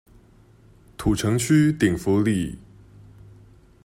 土城區頂福里